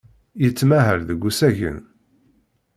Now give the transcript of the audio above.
Yettmahal deg usagen.